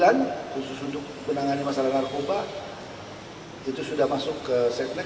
revisi pp sembilan puluh sembilan khusus untuk penangani masalah narkoba itu sudah masuk ke setnek